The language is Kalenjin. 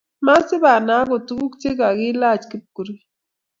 Masibanai agot tuguuk chegigaalach kipkurui